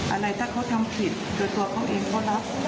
อะไรถ้าเขาทำผิดโดยตัวเขาเองเขารับ